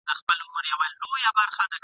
تر ماښام پوري یې هیڅ نه وه خوړلي ..